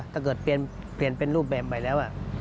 ถ้าเกิดเปลี่ยนเป็นรูปแบบไปแล้ว